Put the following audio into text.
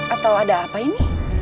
atau ada apa ini